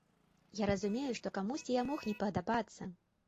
Я разумею, што камусьці я мог не падабацца.